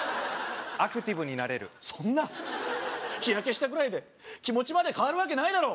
アクティブになれるそんな日焼けしたぐらいで気持ちまで変わるわけないだろ